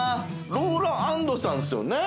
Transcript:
ローラアンドさんっすよね？